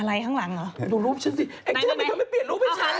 อะไรข้างหลังเหรอดูรูปฉันสิไอ้เจ๊ทำไมไม่เปลี่ยนรูปให้ฉัน